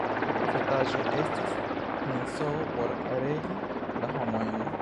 Tiu profetaĵo estis mensogo por regi la homojn.